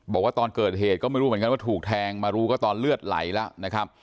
บอกว่าตอนเกิดเหตุก็ไม่รู้เหมือนกันว่าถูกแทงมารู้ก็ตอนเลือดไหลแล้วนะครับ